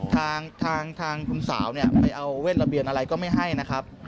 ทางคุณสาวเนี่ยไปเอาเวทระเบียนอะไรก็ไม่ให้นะครับ